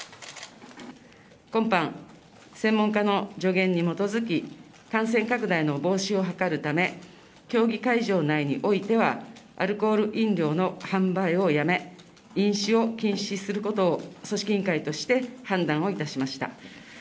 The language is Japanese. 今般、専門家の助言に基づき、感染拡大の防止を図るため、競技会場内においてはアルコール飲料の販売をやめ、飲酒を禁止することを組織委員会として判断をいたしました。